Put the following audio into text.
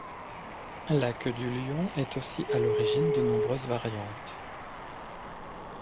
La queue du lion est aussi à l’origine de nombreuses variantes.